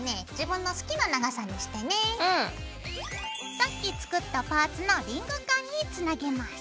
さっき作ったパーツのリングカンにつなげます。